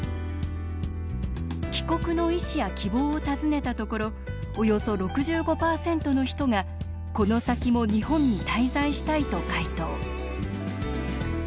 帰国の意思や希望を尋ねたところおよそ６５％の人が、この先も「日本に滞在したい」と回答。